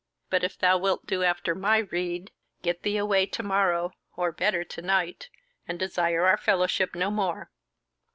But if thou wilt do after my rede, get thee away to morrow, or better, to night, and desire our fellowship no more."